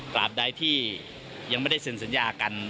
ใดที่ยังไม่ได้เซ็นสัญญากัน